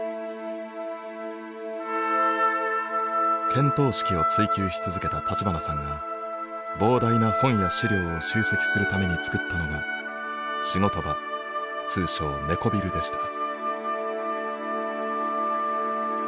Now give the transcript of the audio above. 見当識を追究し続けた立花さんが膨大な本や資料を集積するために作ったのが仕事場通称猫ビルでした。